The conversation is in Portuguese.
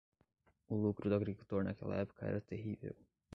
O lucro do agricultor naquela época era terrível.